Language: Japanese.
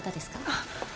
あっ。